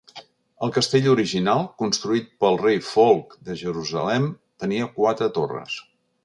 El castell original, construït pel rei Folc de Jerusalem, tenia quatre torres.